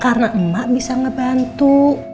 karena emak bisa ngebantu